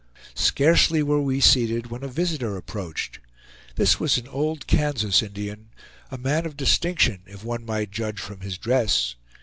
Scarcely were we seated when a visitor approached. This was an old Kansas Indian; a man of distinction, if one might judge from his dress.